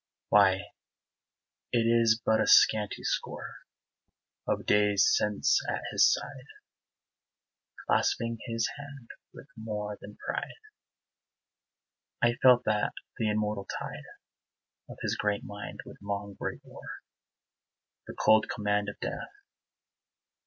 Why, it is but a scanty score Of days, since, at his side, Clasping his hand with more than pride, I felt that the immortal tide Of his great mind would long break o'er The cold command of Death.